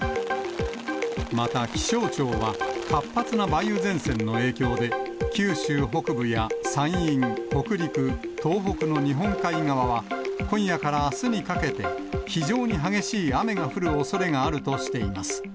また気象庁は、活発な梅雨前線の影響で、九州北部や山陰、北陸、東北の日本海側は、今夜からあすにかけて、非常に激しい雨が降るおそれがあるとしています。